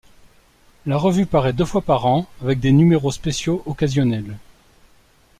La revue paraît deux fois par an, avec des numéros spéciaux occasionnels.